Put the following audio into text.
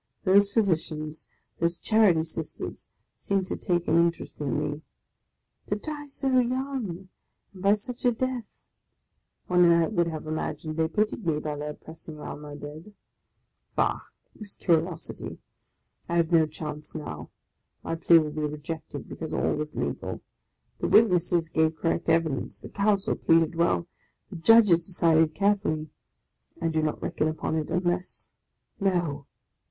Those Physicians, those Charity Sisters seemed to take an interest in me. " To die so young ! and by such a death !" One would have imagined they pitied me by their pressing round my bed. Bah! it was curiosity! I have no chance now! My plea will be rejected, because all was legal; the witnesses gave correct evidence, the counsel pleaded well, the Judges decided carefully. I do not reckon upon it, unless — No